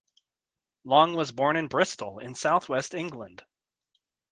Long was born in Bristol, in south-west England.